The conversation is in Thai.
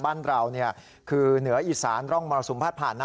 บ้านเราคือเหนืออีสานร่องมรสุมพาดผ่านนะ